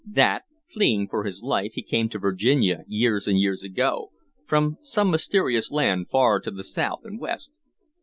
"That, fleeing for his life, he came to Virginia, years and years ago, from some mysterious land far to the south and west?"